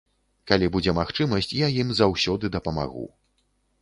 Калі будзе магчымасць, я ім заўсёды дапамагу.